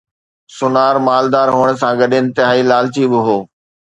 sonar مالدار هئڻ سان گڏ انتهائي لالچي به هو